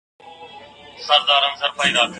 خورکې، ستا نه دا انګلیسي توري نه زده کېږي.